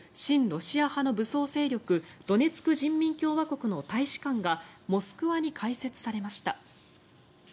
ロシア派の武装勢力ドネツク人民共和国の大使館がモスクワに開設されました。